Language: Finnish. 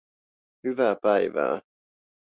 Hyvää päivää